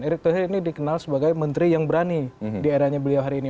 erick thohir ini dikenal sebagai menteri yang berani di eranya beliau hari ini